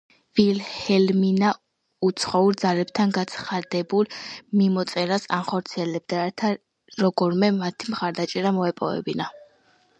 ვილჰელმინა უცხოურ ძალებთან გაცხარებულ მიმოწერას ანხორციელებდა, რათა როგორმე მათი მხარდაჭერა მოეპოვებინა.